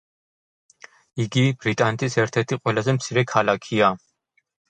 იგი ბრიტანეთის ერთ-ერთი ყველაზე მცირე ქალაქია.